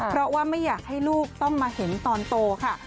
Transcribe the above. เพราะว่าไม่อยากให้ลูกต้องมาเห็นตอนโตค่ะ